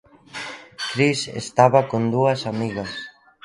Cris estaba con dúas amigas.